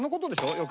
よく。